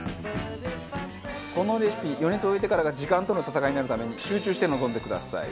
このレシピ予熱を終えてからが時間との戦いになるために集中して臨んでください。